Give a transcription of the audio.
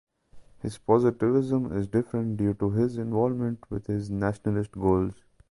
His positivism is different due to his involvement with his nationalist goals.